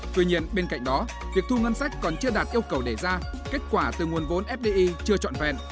tuy nhiên bên cạnh đó việc thu ngân sách còn chưa đạt yêu cầu đề ra kết quả từ nguồn vốn fdi chưa trọn vẹn